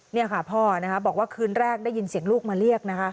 นี่ค่ะพ่อบอกว่าคืนแรกได้ยินเสียงลูกมาเรียกนะคะ